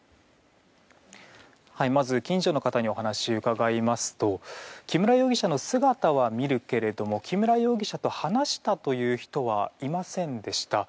まず近所の方にお話を伺いますと木村容疑者の姿は見るけれども木村容疑者と話したという人はいませんでした。